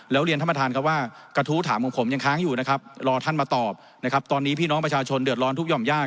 แล้วเรียนท่านบททานก็ว่ากระทุถามผมผมยังค้างอยู่ว่าตอนนี้พี่น้องปัชโชนเดือดล้อนทุกค์หย่อมยาก